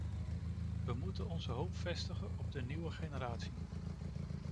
We moeten onze hoop vestigen op de nieuwe generatie.